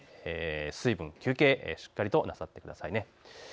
水分、休憩、しっかりとなさってください。